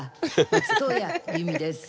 松任谷由実です。